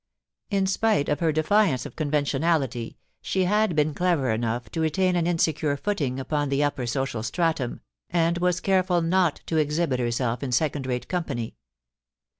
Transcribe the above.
In spite of her defiance of conventionality, she had been clever enough to retain an insecure footing upon the upper social stratum, and was careful not to exhibit herself in second rate com pany.